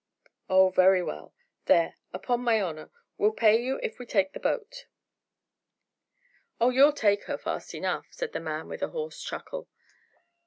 "Oh, very well. There, upon my honour, we'll pay you if we take the boat." "Oh you'll take her, fast enough," said the man with a hoarse chuckle.